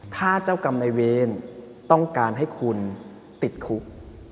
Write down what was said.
ถ้าเจ้ากรรมในเวรต้องการให้คุณติดคุก